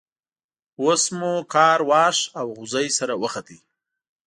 اوس مو کار واښ او غوزی سره وختی.